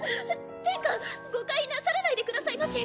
殿下誤解なさらないでくださいまし。